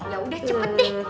ya udah cepet deh